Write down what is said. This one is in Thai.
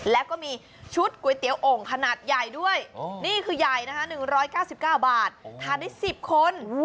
แล้วก็มีชุดก๋วยเตี๋ยวโอ่งขนาดใหญ่ด้วยนี่คือใหญ่นะคะ๑๙๙บาททานได้๑๐คน